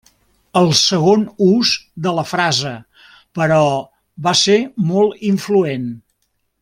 El segon ús de la frase, però, va ser molt influent.